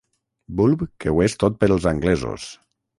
Bulb que ho és tot pels anglesos.